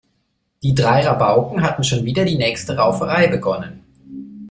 Die drei Rabauken hatten schon wieder die nächste Rauferei begonnen.